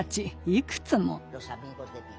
いくつも。